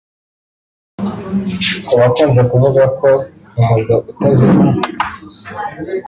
Ku bakunze kuvuga ko mu muriro utazima